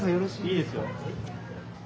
いいですよ。